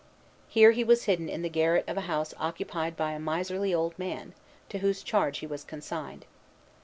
Here he was hidden in the garret of a house occupied by a miserly old man, to whose charge he was consigned.